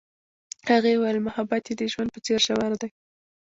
هغې وویل محبت یې د ژوند په څېر ژور دی.